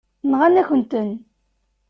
Nɣan-akent-ten.